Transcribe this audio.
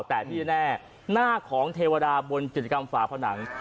แต่ที่แน่หน้าของเทวดาบนจิตกรรมฝาผนัง